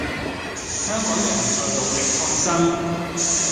香港人在努力抗爭